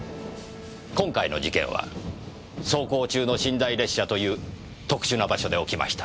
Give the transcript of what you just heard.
今回の事件は走行中の寝台列車という特殊な場所で起きました。